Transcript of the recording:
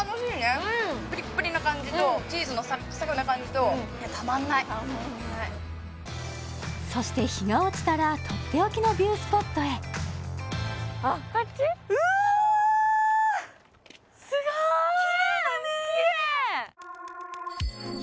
うんプリップリな感じとチーズのサックサクな感じとたまんないたまんないそして日が落ちたらとっておきのビュースポットへきれいだね